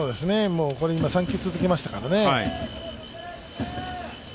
これ、今３球続けましたからね。